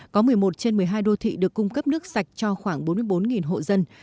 có một mươi một trên một mươi hai đô thị được cung cấp nước sạch cho khoảng bốn mươi bốn hộ dân